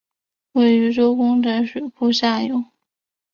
位于周公宅水库下游。